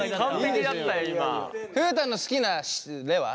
フータンの好きなレは？